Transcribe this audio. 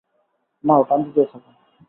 নাও টান দিতে থাকো।